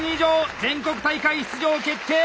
全国大会出場決定！